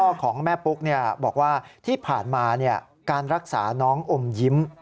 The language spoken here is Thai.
ของแม่ปุ๊กบอกว่าที่ผ่านมาการรักษาน้องอมยิ้ม